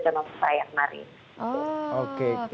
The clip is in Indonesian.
yang nampak saya kemarin